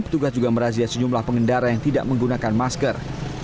petugas juga merazia sejumlah pengendara yang tidak menggunakan masker